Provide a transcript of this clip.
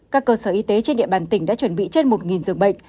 các cơ sở y tế trên địa bàn tỉnh đã chuẩn bị trên một dường bệnh